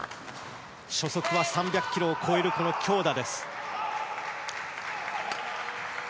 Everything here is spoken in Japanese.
初速は３００キロを超える強打。